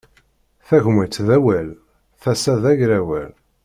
Tagmat d awal, tasa d agrawal.